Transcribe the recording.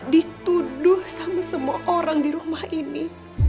dituduh sama semua orang di rumah ini